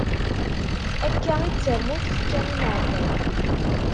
Akka i d tamurt ččan imeɛfan.